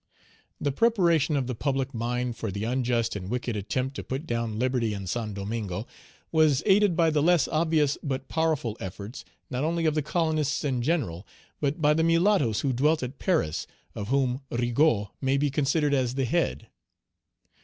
The preparation of the public mind for the unjust and wicked attempt to put down liberty in Saint Domingo was aided by the less obvious but powerful efforts, not only of the colonists in general, but by the mulattoes who dwelt at Paris, of whom Rigaud may be considered as the head.